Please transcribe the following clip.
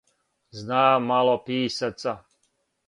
Знам мало писаца.